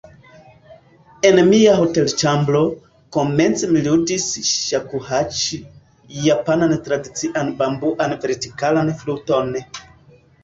En mia hotelĉambro, komence mi ludis ŝakuhaĉi, japanan tradician bambuan vertikalan fluton.